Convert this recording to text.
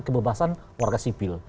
kebebasan warga sipil